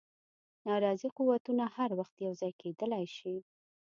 ناراضي قوتونه هر وخت یو ځای کېدلای شي.